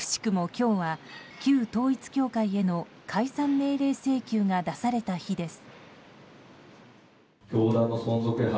今日は旧統一教会への解散命令請求が出された日です。